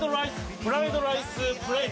フライドライスプレート。